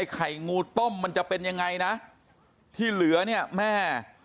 ไข่งูต้มมันจะเป็นยังไงนะที่เหลือเนี่ยแม่